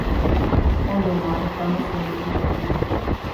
ona la o kama sona sitelen.